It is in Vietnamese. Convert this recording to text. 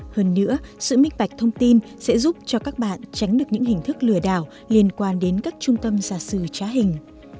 hơn nữa sự minh bạch thông tin sẽ giúp cho các bạn tránh được những hình thức lừa đảo liên quan đến các trung tâm gia sư trá hình